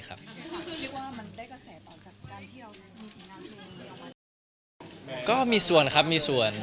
ก็มีส่วนครับมีส่วน